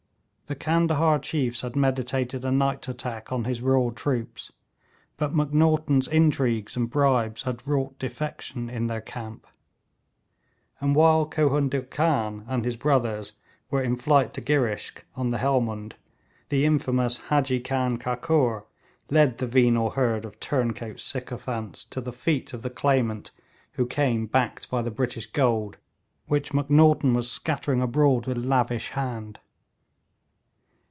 The Candahar chiefs had meditated a night attack on his raw troops, but Macnaghten's intrigues and bribes had wrought defection in their camp; and while Kohun dil Khan and his brothers were in flight to Girishk on the Helmund, the infamous Hadji Khan Kakur led the venal herd of turncoat sycophants to the feet of the claimant who came backed by the British gold, which Macnaghten was scattering abroad with lavish hand.